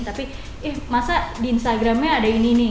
tapi eh masa di instagramnya ada ini ini